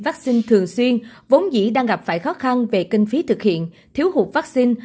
vắc xin thường xuyên vốn dĩ đang gặp phải khó khăn về kinh phí thực hiện thiếu hụt vắc xin